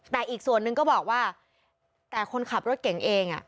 แต่อีกส่วนนึงก็บอกว่าแต่คนขับรถเก่งเอง